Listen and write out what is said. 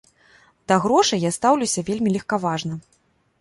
Да грошай я стаўлюся вельмі легкаважна.